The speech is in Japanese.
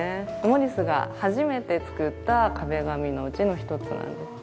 モリスが初めて作った壁紙のうちの一つなんです。